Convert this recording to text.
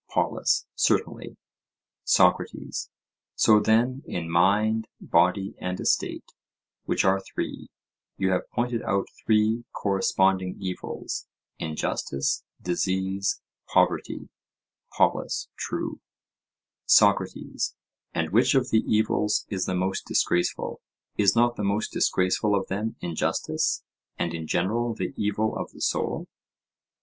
POLUS: Certainly. SOCRATES: So then, in mind, body, and estate, which are three, you have pointed out three corresponding evils—injustice, disease, poverty? POLUS: True. SOCRATES: And which of the evils is the most disgraceful?—Is not the most disgraceful of them injustice, and in general the evil of the soul?